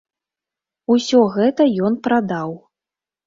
Усё гэта ён прадаў.